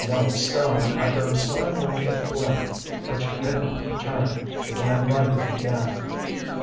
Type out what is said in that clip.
Nellie Stone, after a sly wink at Flynn, which he did not return, began writing again.